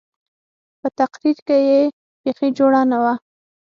په تقرير کښې يې بيخي جوړه نه وه.